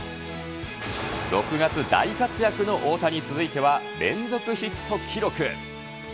６月大活躍の大谷に続いては、連続ヒット記録。